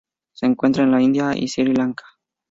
Se encuentra en la India y Sri Lanka.